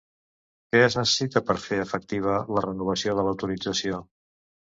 Què es necessita per fer efectiva la renovació de l'autorització?